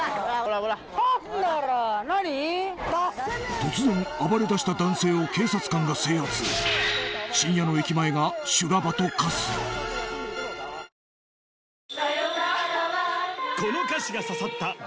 突然暴れだした男性を警察官が制圧深夜の駅前が修羅場と化す届け。